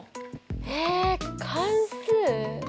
え関数？